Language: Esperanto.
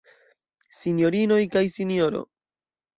Sinjorinoj kaj Sinjoro.